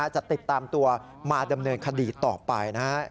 จะติดตามตัวมาดำเนินคดีต่อไปนะครับ